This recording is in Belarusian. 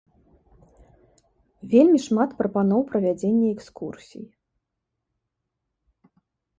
Вельмі шмат прапаноў правядзення экскурсій.